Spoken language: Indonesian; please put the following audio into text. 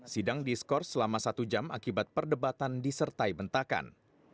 sidang diskors selama satu jam akibat perdebatan disertai bentakan